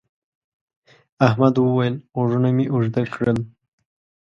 احمد وويل: غوږونه مې اوږده کړل.